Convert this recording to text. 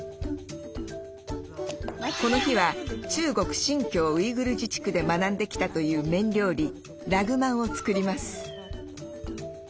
この日は中国・新彊ウイグル自治区で学んできたという麺料理ラグマンを作ります。